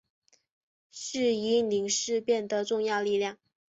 是伊宁事变的重要力量。